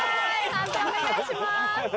判定お願いします。